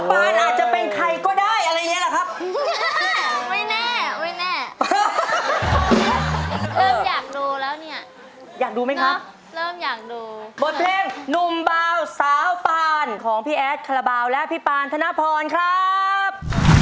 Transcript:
เบาสาวปานของพี่แอดคัลบาวและพี่ปานธนพรครับ